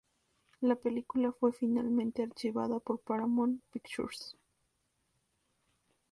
La película fue finalmente archivada por Paramount Pictures.